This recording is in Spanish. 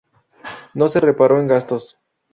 No se reparó en gastos.